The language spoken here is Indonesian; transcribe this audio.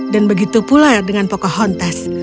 dan begitu pula dengan pocahontas